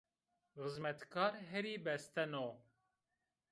Xizmetkar herî besteno